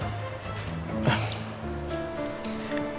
udah gak ada sih om